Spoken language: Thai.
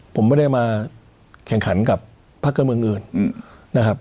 ผมไม่ได้มาแข่งขันกับภาคการเมืองอื่นนะครับ